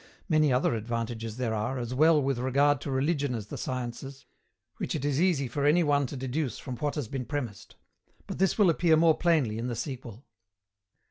Many other advantages there are, as well with regard to religion as the sciences, which it is easy for any one to deduce from what has been premised; but this will appear more plainly in the sequel.